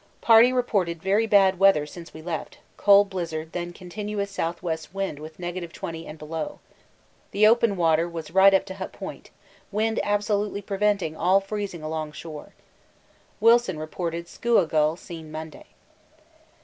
Party reported very bad weather since we left, cold blizzard, then continuous S.W. wind with 20° and below. The open water was right up to Hut Point, wind absolutely preventing all freezing along shore. Wilson reported skua gull seen Monday.